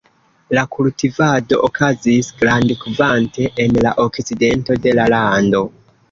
La kultivado okazis grandkvante en la okcidento de la lando.